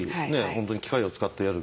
本当に機械を使ってやる。